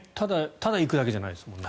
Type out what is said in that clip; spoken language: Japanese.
ただ行くわけじゃないですもんね。